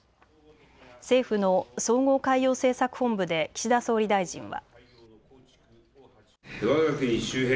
政府の総合海洋政策本部で岸田総理大臣は。